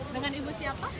dengan ibu siapa